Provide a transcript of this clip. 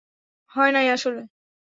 হয় নাই আসলে।